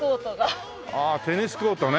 ああテニスコートね。